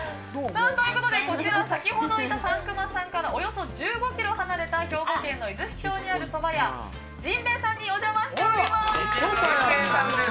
ということで、こちら先ほどいた但熊さんからおよそ１５キロ離れた兵庫県の出石町にある甚兵衛さんに訪れております。